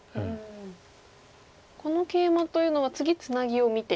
このケイマというのは次ツナギを見て。